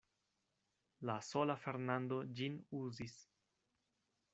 La sola Fernando ĝin uzis.